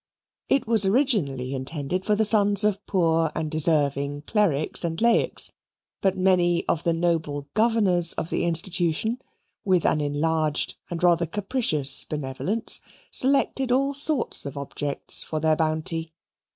It was originally intended for the sons of poor and deserving clerics and laics, but many of the noble governors of the Institution, with an enlarged and rather capricious benevolence, selected all sorts of objects for their bounty.